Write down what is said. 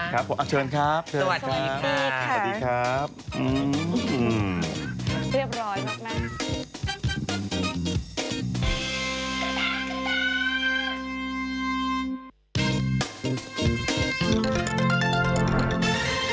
ครับชวัสดีครับสวัสดีค่ะสวัสดีค่ะสวัสดีค่ะสวัสดีค่ะ